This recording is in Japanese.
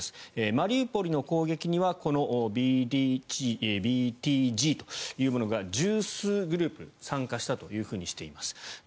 マリウポリの攻撃にはＢＴＧというものが１０数グループ参加したとしています。